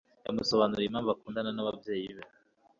Yamusobanuriye impamvu adakunda ababyeyi be.